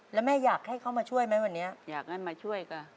แล้วแม่อยากให้เขามาช่วยไหมวันนี้อยากให้มาช่วยกัน